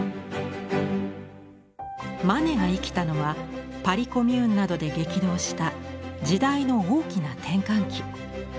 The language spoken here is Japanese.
マネが生きたのはパリ・コミューンなどで激動した時代の大きな転換期。